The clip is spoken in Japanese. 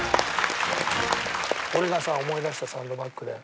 俺がさ思い出したサンドバッグで。